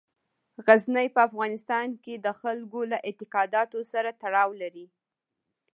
غزني په افغانستان کې د خلکو له اعتقاداتو سره تړاو لري.